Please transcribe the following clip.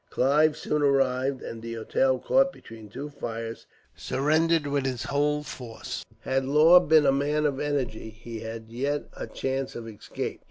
Clive soon arrived, and D'Auteuil, caught between two fires, surrendered with his whole force. Had Law been a man of energy, he had yet a chance of escape.